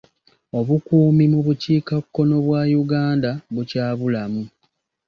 Obukuumi mu bukiikakkono bwa Uganda bukyabulamu.